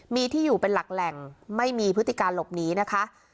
มีที่อยู่เป็นหลักแหล่งไม่มีพฤติการหลบหนีนะคะ